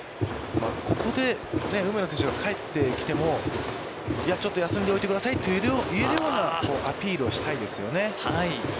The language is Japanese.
ここで梅野選手が帰ってきても、いや、ちょっと休んでおいてくださいと言えるようなアピールをしたいですよね。